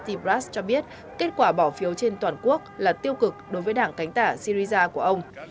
tsipras cho biết kết quả bỏ phiếu trên toàn quốc là tiêu cực đối với đảng cánh tảng syriza của ông